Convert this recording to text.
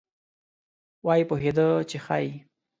وایي پوهېده چې ښایي.